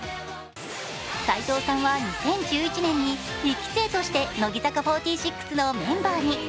齋藤さんは２０１１年に１期生として乃木坂４６のメンバーに。